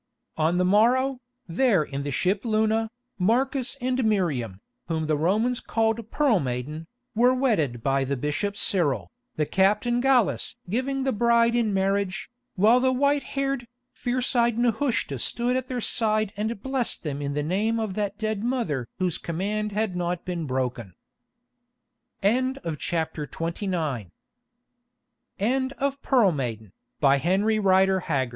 On the morrow, there in the ship Luna, Marcus and Miriam, whom the Romans called Pearl Maiden, were wedded by the bishop Cyril, the Captain Gallus giving the bride in marriage, while the white haired, fierce eyed Nehushta stood at their side and blessed them in the name of that dead mother whose command had not been broken. END OF THE PROJECT GUTENBERG EBOOK PEARL MAIDE